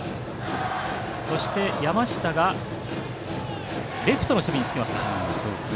そして、山下がレフトの守備につきますか。